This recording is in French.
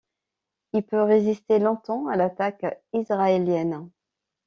Il peut résister longtemps à l'attaque israélienne.